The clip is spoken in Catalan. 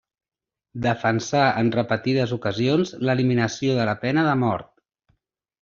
Defensà en repetides ocasions l'eliminació de la pena de mort.